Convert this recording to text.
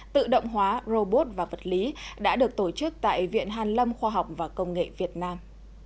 tự động hóa robot và vật lý đã được tổ chức tại viện hàn lâm khoa học và công nghệ việt nam